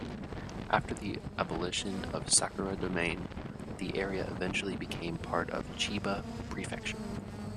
After the abolition of Sakura Domain, the area eventually became part of Chiba Prefecture.